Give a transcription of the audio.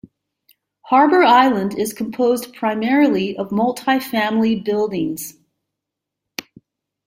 Harbor Island is composed primarily of multi-family buildings.